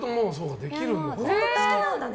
本当に好きなんだね。